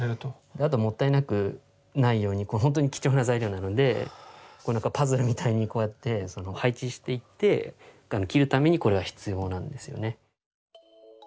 あともったいなくないようにこれほんとに貴重な材料なのでパズルみたいにこうやって配置していって切るためにこれは必要なんですよね。